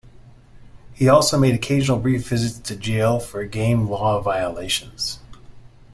He also made occasional brief visits to jail for game law violations.